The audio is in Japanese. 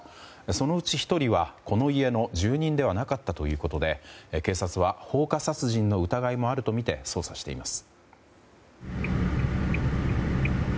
そのうち１人は、この家の住人ではなかったということで警察は放火殺人の疑いもあるとみて捜査しています。